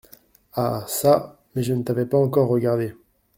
Ah çà ! mais je ne t’avais pas encore regardé…